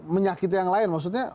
menyakiti yang lain maksudnya